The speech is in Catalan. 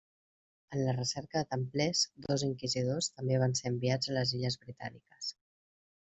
En la recerca de Templers, dos inquisidors també van ser enviats a les Illes Britàniques.